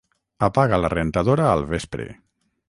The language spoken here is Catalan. Apaga la rentadora al vespre.